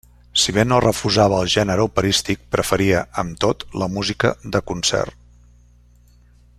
Si bé no refusava el gènere operístic, preferia, amb tot, la música de concert.